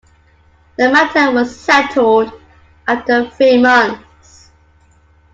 The matter was settled after three months.